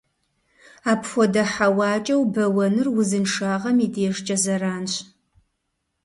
Апхуэдэ хьэуакӀэ убэуэныр узыншагъэм и дежкӀэ зэранщ.